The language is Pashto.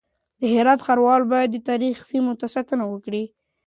د هرات ښاروال بايد د تاريخي سيمو ساتنه وکړي.